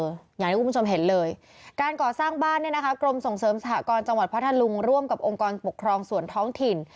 อย่างที่คุณผู้ชมเห็นเลยการก่อสร้างบ้านเนี่ยนะคะกรมส่งเสริมสหกรจังหวัดพัทธลุงร่วมกับองค์กรปกครองส่วนท้องถิ่น